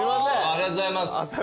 ありがとうございます。